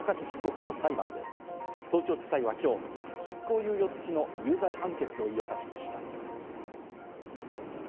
被告の裁判で東京地裁は今日、執行猶予付きの有罪判決を言い渡しました。